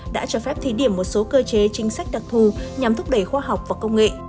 đã cho phép thí điểm một số cơ chế chính sách đặc thù nhằm thúc đẩy khoa học và công nghệ